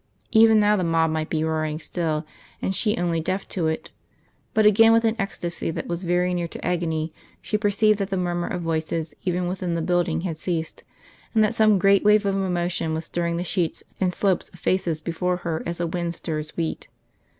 Even now the mob might be roaring still, and she only deaf to it; but again with an ecstasy that was very near to agony she perceived that the murmur of voices even within the building had ceased, and that some great wave of emotion was stirring the sheets and slopes of faces before her as a wind stirs wheat.